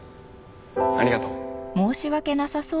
ありがとう。あっ。